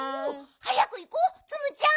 はやくいこうツムちゃん！